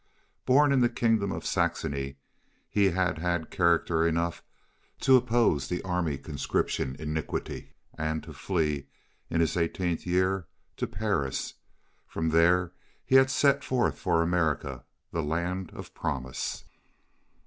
Born in the kingdom of Saxony, he had had character enough to oppose the army conscription iniquity, and to flee, in his eighteenth year, to Paris. From there he had set forth for America, the land of promise.